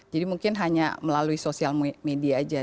jadi mungkin hanya melalui sosial media saja